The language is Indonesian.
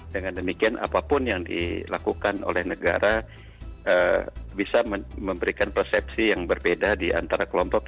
dengan demikian apapun yang dilakukan oleh negara bisa memberikan persepsi yang berbeda di antara kelompok